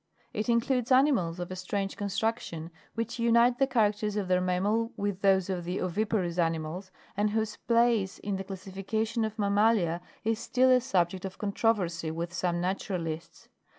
9. It includes animals of a strange construction, which unite the characters of the mammal with those of the oviparous ani mals, and whose place in the classification of mammalia is still a subject of controversy with some naturalists.